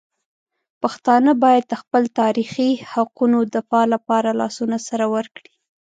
پښتانه باید د خپل تاریخي حقونو دفاع لپاره لاسونه سره ورکړي.